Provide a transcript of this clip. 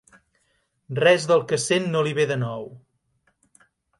Res del que sent no li ve de nou.